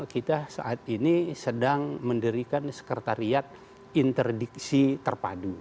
kita saat ini sedang mendirikan sekretariat interdiksi terpadu